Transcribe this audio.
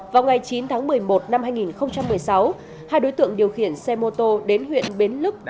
vào ngày chín tháng một mươi một năm hai nghìn một mươi sáu hai đối tượng điều khiển xe mô tô đến huyện bến lức